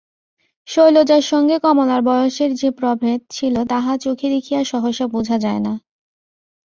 শৈলজার সঙ্গে কমলার বয়সের যে প্রভেদ ছিল তাহা চোখে দেখিয়া সহসা বোঝা যায় না।